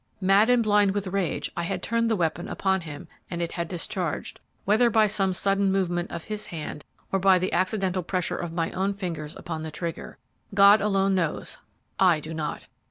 Mad and blind with rage, I had turned the weapon upon him and it had discharged, whether by some sudden movement of his hand, or by the accidental pressure of my own fingers upon the trigger, God alone knows, I do not!